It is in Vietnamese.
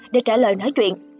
để trả lời nói chuyện